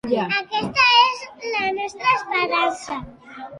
Aquesta és la nostra esperança.